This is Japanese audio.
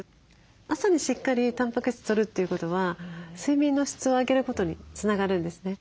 朝にしっかりたんぱく質とるということは睡眠の質を上げることにつながるんですね。